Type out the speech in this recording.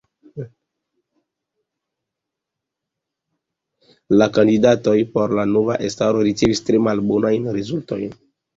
La kandidatoj por la nova estraro ricevis tre malbonajn rezultojn.